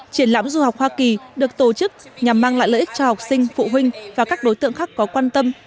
triển lãm du học hoa kỳ được tổ chức nhằm mang lại lợi ích cho học sinh phụ huynh và các đối tượng khác có quan tâm